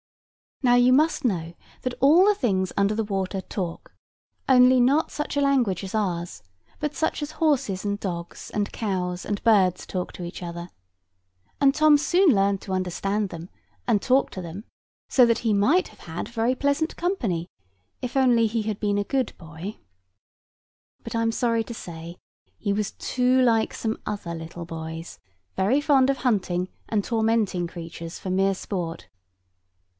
Now you must know that all the things under the water talk; only not such a language as ours; but such as horses, and dogs, and cows, and birds talk to each other; and Tom soon learned to understand them and talk to them; so that he might have had very pleasant company if he had only been a good boy. But I am sorry to say, he was too like some other little boys, very fond of hunting and tormenting creatures for mere sport.